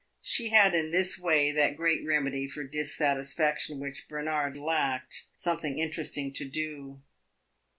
She had in this way that great remedy for dissatisfaction which Bernard lacked something interesting to do.